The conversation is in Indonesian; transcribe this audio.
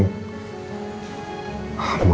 mau ke kuburan papa